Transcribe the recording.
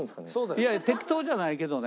いやいや適当じゃないけどね。